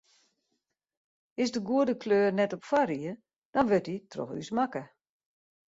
Is de goede kleur net op foarried, dan wurdt dy troch ús makke.